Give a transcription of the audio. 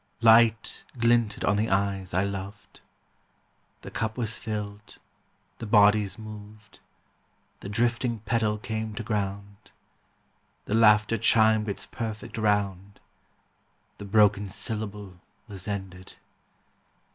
Light glinted on the eyes I loved. The cup was filled. The bodies moved. The drifting petal came to ground. The laughter chimed its perfect round. The broken syllable was ended.